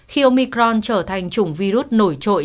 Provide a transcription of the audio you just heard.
khi omicron trở thành chủng virus nổi trội